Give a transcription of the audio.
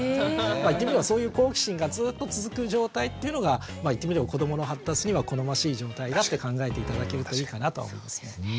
言ってみればそういう好奇心がずっと続く状態っていうのが言ってみれば子どもの発達には好ましい状態だって考えて頂けるといいかなとは思いますね。